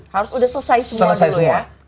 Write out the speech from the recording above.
harus udah selesai semua dulu ya